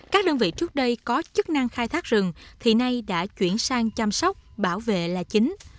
các đơn vị trước đây có chức năng khai thác rừng thì nay đã chuyển sang chăm sóc bảo vệ là chính